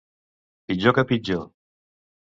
Pitjor que pitjor.